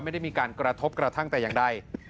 ไม่ได้มีการกระทบกระทั่งแต่อย่างใด